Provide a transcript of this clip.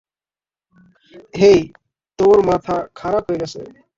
হেই, তোর মাথা খারাপ হয়ে গেছে?